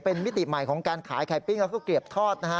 เป็นมิติใหม่ของการขายไข่ปิ้งแล้วก็เกลียบทอดนะฮะ